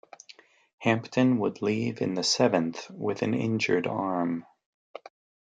Hampton would leave in the seventh with an injured arm.